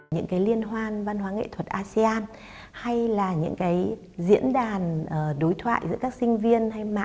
những liên hoan văn hóa nghệ thuật asean hay là những diễn đàn đối thoại giữa các sinh viên